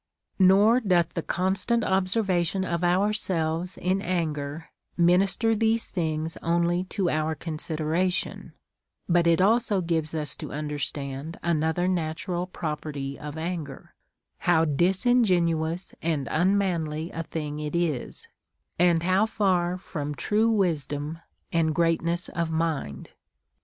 8. Nor doth the constant observation of ourselves in anger minister these things only to our consideration, but it also gives us to understand another natural property of anger, how disingenuous and unmanly a thing it is, and how far from true wisdom and greatness of mind.